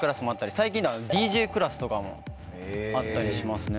最近ではＤＪクラスとかもあったりしますね。